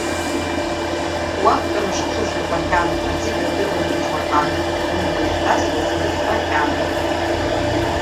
Уақәтәан ушыцәаз урбахьан, аҵыгьра адыруан, Қәыџьмахан, умгәа ишҭасуазгьы збахьан.